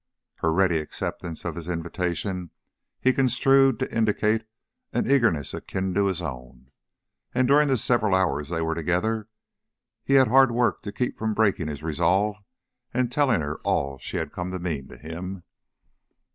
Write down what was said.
Her ready acceptance of the invitation he construed to indicate an eagerness akin to his own, and during the several hours they were together he had hard work to keep from breaking his resolve and telling her all she had come to mean to him.